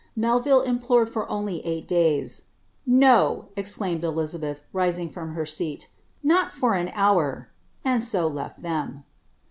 Melvil implored for only eight hf\.^Noj^ exclaimed Elizabeth, rising from her seat, '^ not for an MMirP and 00 left them.'